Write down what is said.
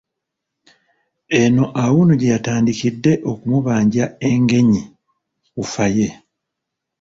Eno Auno gye yatandikidde okumubanja Engenyi wuufa ye.